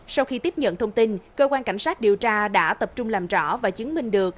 sau khi tiếp nhận thông tin cơ quan cảnh sát điều tra đã tập trung làm rõ và chứng minh được